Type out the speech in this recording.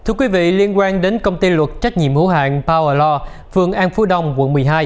ừ thưa quý vị liên quan đến công ty luật trách nhiệm hữu hạn powerlaw phường an phú đông quận một mươi hai